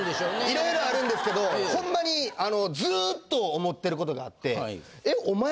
色々あるんですけどほんまにずっと思ってることがあって。